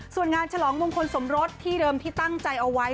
ส่วนงานฉลองมงคลสมรสที่เดิมที่ตั้งใจเอาไว้